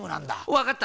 わかった！